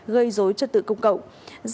gây dối chất tự công cộng